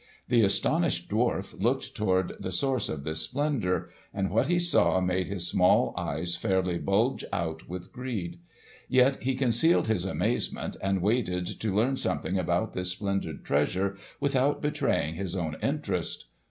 The astonished dwarf looked toward the source of this splendour, and what he saw made his small eyes fairly bulge out with greed. Yet he concealed his amazement and waited to learn something about this splendid treasure without betraying his own interest.